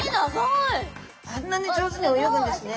あんなに上手に泳ぐんですね。